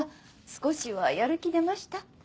少しはやる気出ました？